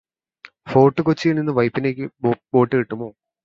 Fort കൊച്ചിയിൽ നിന്നു വൈപ്പിനിലേക്ക് boat കിട്ടുമോ?